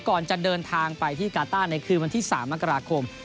ก่อนจะเดินทางไปที่กาต้าในคืนวันที่๓มกราคม